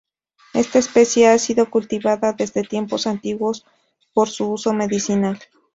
Esta especie ha sido cultivada desde tiempos antiguos por su uso medicinal.